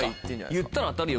言ったら当たるよ